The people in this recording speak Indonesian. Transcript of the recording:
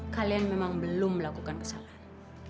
kalian memang belum melakukan kesalahan